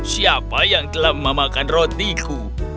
siapa yang telah memakan rotiku